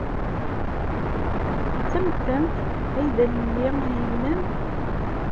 D tamettant ay d allelli ayiwnan?